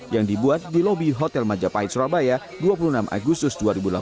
yang dibuat di lobi hotel majapahit surabaya dua puluh enam agustus dua ribu delapan belas